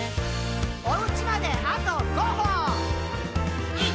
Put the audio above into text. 「おうちまであと５歩！」